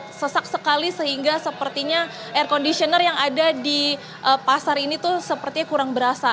sangat sesak sekali sehingga sepertinya air conditioner yang ada di pasar ini tuh sepertinya kurang berasa